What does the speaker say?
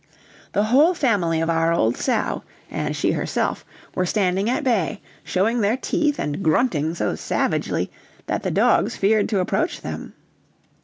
The whole family of our old sow, and she herself, were standing at bay, showing their teeth and grunting so savagely, that the dogs feared to approach them.